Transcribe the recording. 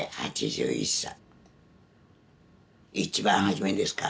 一番初めですか？